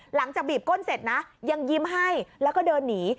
บีบก้นเสร็จนะยังยิ้มให้แล้วก็เดินหนี